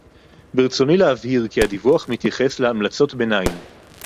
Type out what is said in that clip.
ברצוני להבהיר כי הדיווח מתייחס להמלצות ביניים